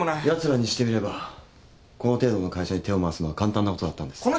やつらにしてみればこの程度の会社に手を回すのは簡単なことだったんです。